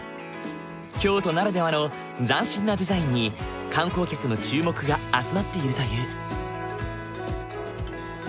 京都ならではの斬新なデザインに観光客の注目が集まっているという。